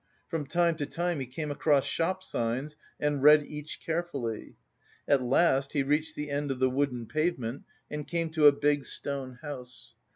From time to time he came across shop signs and read each carefully. At last he reached the end of the wooden pavement and came to a big stone house.